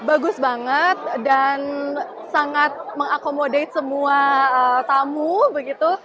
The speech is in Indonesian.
bagus banget dan sangat mengakomodate semua tamu begitu